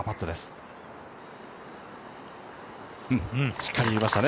しっかり入れましたね。